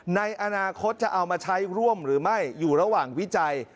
ในอนาคตจะเอามาใช้ร่วมหรือไม่อยู่ระหว่างวิจัย